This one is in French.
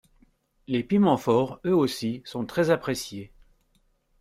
Les piments forts, eux aussi, sont très appréciés.